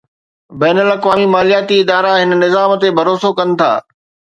بين الاقوامي مالياتي ادارا هن نظام تي ڀروسو ڪن ٿا.